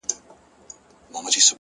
د زړه روڼتیا انسان روښانوي!